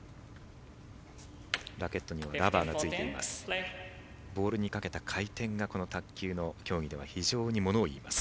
ラケットにラバーがついています。